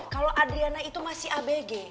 kalau adriana itu masih abg